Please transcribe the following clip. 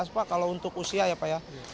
dua ribu tujuh belas pak kalau untuk usia ya pak ya